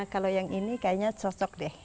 kalau yang ini kayaknya cocok deh